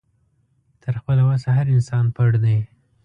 تر خپله وسه هر انسان پړ دی